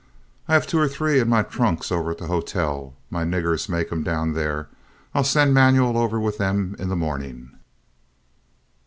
"I have two or three in my trunks over at the hotel. My niggers make 'em down there. I'll send Manuel over with them in the morning."